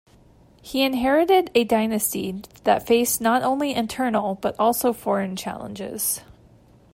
He inherited a dynasty that faced not only internal but also foreign challenges.